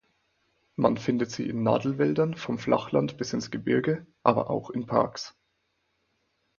Man findet sie in Nadelwäldern vom Flachland bis ins Gebirge, aber auch in Parks.